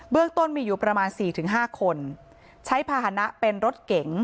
เรื่องต้นมีอยู่ประมาณ๔๕คนใช้ภาษณะเป็นรถเก๋ง